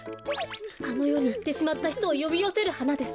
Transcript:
あのよにいってしまったひとをよびよせるはなです。